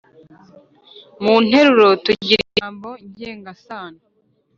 munteruro tugira ijambo ngengasano